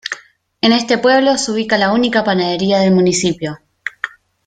En este pueblo se ubica la única panadería del municipio.